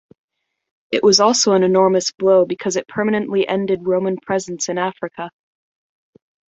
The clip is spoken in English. It was also an enormous blow because it permanently ended Roman presence in Africa.